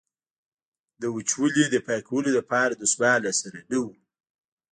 د وچولې د پاکولو لپاره دستمال را سره نه و.